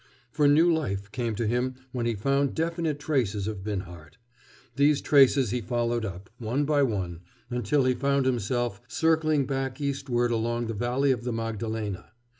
For new life came to him when he found definite traces of Binhart. These traces he followed up, one by one, until he found himself circling back eastward along the valley of the Magdalena.